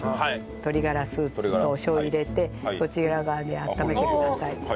鶏がらスープとおしょう油入れてそちら側で温めてください。